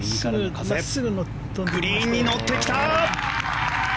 グリーンに乗ってきた！